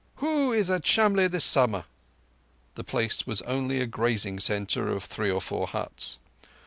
"Who is at Shamlegh this summer?" The place was only a grazing centre of three or four huts."